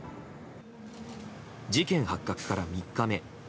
事件発覚から３日目。